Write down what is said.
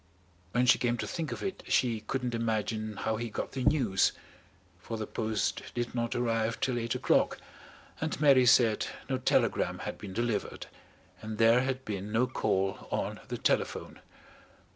When she came to think of it, she couldn't imagine how he got the news, for the post did not arrive till eight o'clock, and Mary said no telegram had been delivered and there had been no call on the telephone.